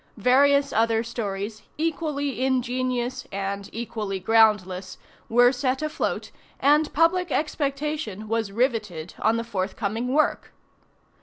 Various other stories, equally ingenious and equally groundless, were set afloat, and public expectation was riveted on the forthcoming work.